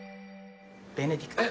ベネディクト。